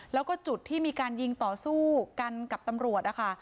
แล้วก็จุดที่มีการยิงต่อสู้กันกับตำรวจนะคะ